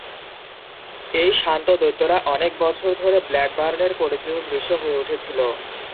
এই 'শান্ত দৈত্য'রা অনেক বছর ধরে ব্ল্যাকবার্নের পরিচিত দৃশ্য হয়ে উঠেছিল।